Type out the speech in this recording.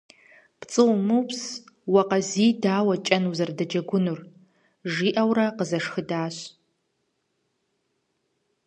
«ПцӀы умыупс, уэ Къазий дауэ кӀэн узэрыдэджэгуныр?» - жиӀэурэ къызэшхыдащ.